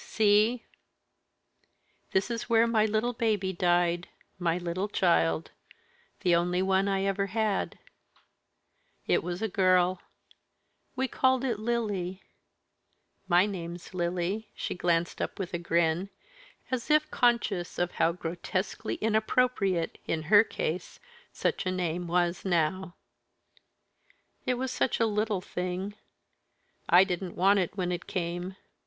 "See! this is where my little baby died my little child the only one I ever had. It was a girl; we called it Lily my name's Lily" she glanced up with a grin, as if conscious of how grotesquely inappropriate, in her case, such a name was now; "it was such a little thing I didn't want it when it came.